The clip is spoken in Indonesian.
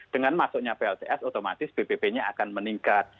dengan masuknya plts otomatis bpp nya akan meningkat